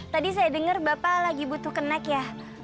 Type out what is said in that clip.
tadi saya dengar bapak lagi butuh kenek ya